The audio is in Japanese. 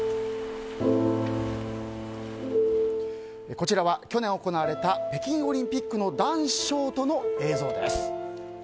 こちらは去年行われた北京オリンピックの男子ショートの映像です。